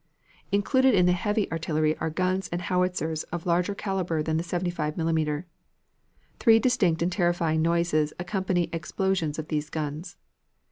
Included in the heavy artillery are guns and howitzers of larger caliber than the 75 millimeter. Three distinct and terrifying noises accompany explosions of these guns.